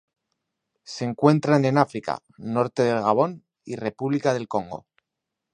Se encuentran en África: norte del Gabón y República del Congo.